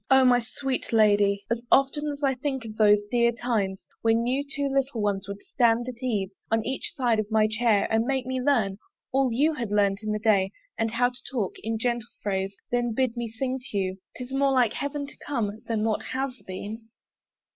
O my sweet lady, As often as I think of those dear times When you two little ones would stand at eve On each side of my chair, and make me learn All you had learnt in the day; and how to talk In gentle phrase, then bid me sing to you 'Tis more like heaven to come than what has been.